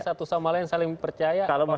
satu sama lain saling percaya